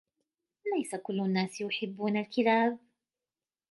ليس كل الناس يحبون الكلاب.